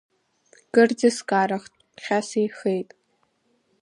Кырӡа скарахт, ԥхьа сеихеит.